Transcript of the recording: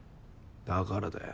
だからだよ。